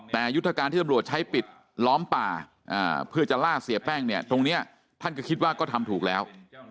แต่ยุทธการที่ตำรวจใช้ปิดล้อมป่าเพื่อจะล่าเสียแป้งเนี่ยตรงนี้ท่านก็คิดว่าก็ทำถูกแล้ว